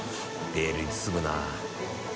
ベールに包むなぁ。